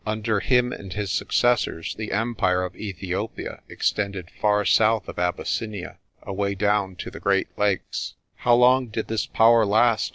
Under him and his successors the empire of Ethiopia extended far south of Abyssinia away down to the Great Lakes." "How long did this power last?"